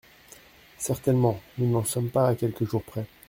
Certainement, nous n’en sommes pas à quelques jours près.